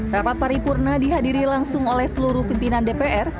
rapat paripurna dihadiri langsung oleh seluruh pimpinan dpr